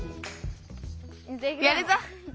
やるぞ！